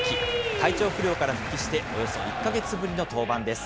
体調不良から復帰して、およそ１か月ぶりの登板です。